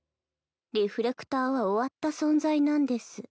リフレクターは終わった存在なんです。